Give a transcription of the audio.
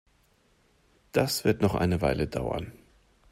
Das wird noch eine Weile dauern.